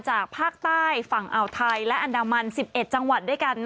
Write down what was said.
จากภาคใต้ฝั่งอ่าวไทยและอันดามัน๑๑จังหวัดด้วยกัน